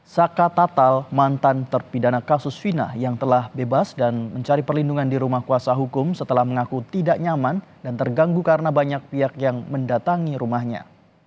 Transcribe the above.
saka tatal mantan terpidana kasus fina yang telah bebas dan mencari perlindungan di rumah kuasa hukum setelah mengaku tidak nyaman dan terganggu karena banyak pihak yang mendatangi rumahnya